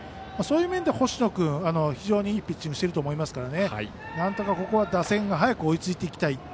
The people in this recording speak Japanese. そういう意味でも星野君は非常にいいピッチングしていると思いますからなんとか、ここは打線が早く追いついていきたい。